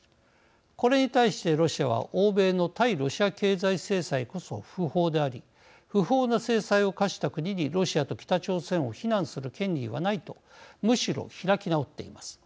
これに対してロシアは「欧米の対ロシア経済制裁こそ不法であり不法な制裁を科した国にロシアと北朝鮮を非難する権利はない」とむしろ開き直っています。